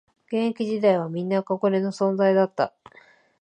現役時代はみんな憧れの存在だった